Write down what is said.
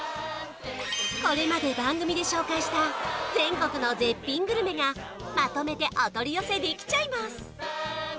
これまで番組で紹介した全国の絶品グルメがまとめてお取り寄せできちゃいます